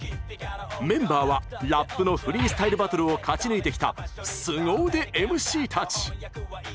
メンバーはラップのフリースタイルバトルを勝ち抜いてきたすご腕ＭＣたち。